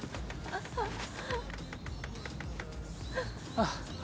「」あっ。